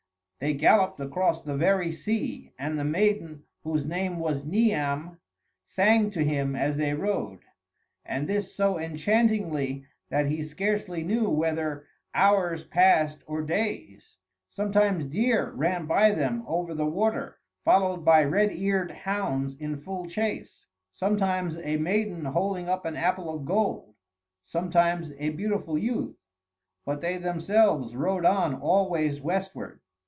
They galloped across the very sea, and the maiden, whose name was Niam, sang to him as they rode, and this so enchantingly that he scarcely knew whether hours passed or days. Sometimes deer ran by them over the water, followed by red eared hounds in full chase; sometimes a maiden holding up an apple of gold; sometimes a beautiful youth; but they themselves rode on always westward.